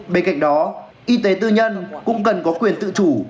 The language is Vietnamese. bên cạnh đó y tế tư nhân cũng cần có quyền tự chủ